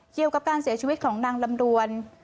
เกี่ยวกับการเสียชีวิตของนางลำดวน